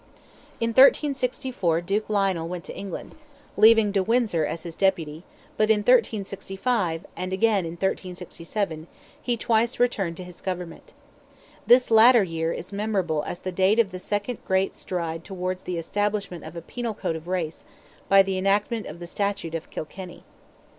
In 1364, Duke Lionel went to England, leaving de Windsor as his deputy, but in 1365, and again in 1367, he twice returned to his government. This latter year is memorable as the date of the second great stride towards the establishment of a Penal Code of race, by the enactment of the "Statute of Kilkenny."